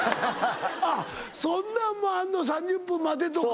あっそんなんもあんの３０分待てとか。